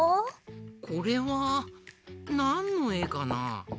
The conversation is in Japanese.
これはなんのえかな？